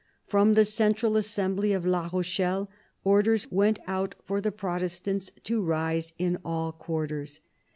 From the central assembly at La Rochelle orders went out for the Protestants to rise in all quarters.